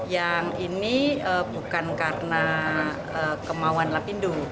yang ini bukan karena kemauan lapindo